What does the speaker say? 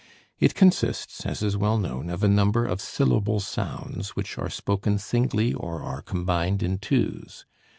It consists, as is well known, of a number of syllable sounds which are spoken singly or are combined in twos.